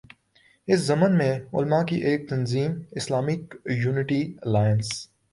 اس ضمن میں علما کی ایک تنظیم ”اسلامک یونٹی الائنس“